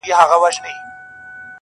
د زړه ښار کي مي آباده میخانه یې,